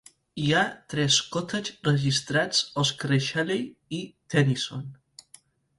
Hi ha tres cottage registrats als carrers Shelley i Tennyson.